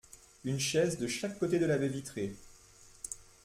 Une chaise de chaque côté de la baie vitrée.